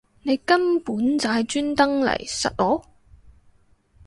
你根本就係專登嚟????實我